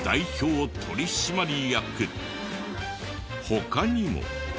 他にも。